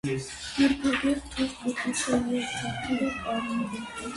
Նրբագեղ թուխ կտուցը և թաթերը կարմիր են։